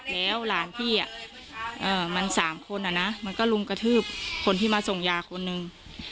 แล้วหลานพี่มัน๓คนมันก็ลุมกระทืบคนที่มาส่งยาคนนึง